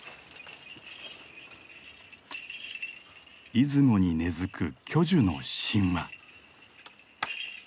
出雲に根づく巨樹の神話。